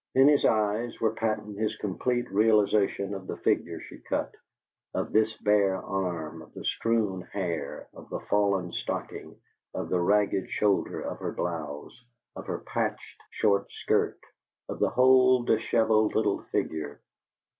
In his eyes was patent his complete realization of the figure she cut, of this bare arm, of the strewn hair, of the fallen stocking, of the ragged shoulder of her blouse, of her patched short skirt, of the whole dishevelled little figure.